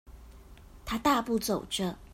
他大步走著